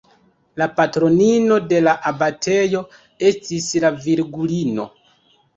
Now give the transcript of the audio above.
La patronino de la abatejo estis la Virgulino.